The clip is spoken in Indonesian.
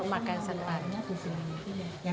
memakan satu harinya di sini